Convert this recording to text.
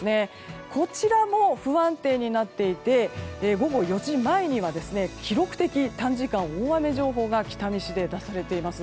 こちらも不安定になっていて午後４時前には記録的短時間大雨情報が北見市で出されています。